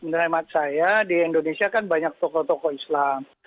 menurut hemat saya di indonesia kan banyak tokoh tokoh islam